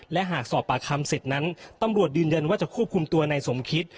และหากสอบปากคำเสร็จนั้นตำรวจยืนยันว่าจะควบคุมตัวนายสมคิต